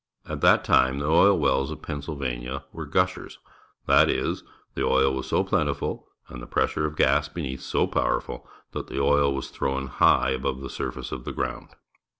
At that time the oil wells of Pennsylvania were "gushers," that is, the oil was so plentiful and the pressure of gas from beneath so powei ful that the oil was thrown liigh above the surface of the ground.